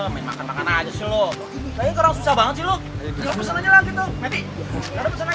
main makan makan aja sih lo